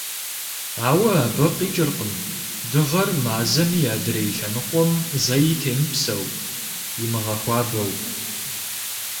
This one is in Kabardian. Ауэ абы къикӏыркъым Дыгъэр Мазэм и адрей лъэныкъуэм зэи темыпсэу, имыгъэхуабэу.